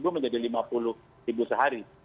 empat ratus menjadi lima puluh sehari